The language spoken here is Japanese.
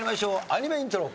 アニメイントロ。